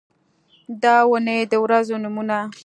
د اونۍ د ورځو نومونه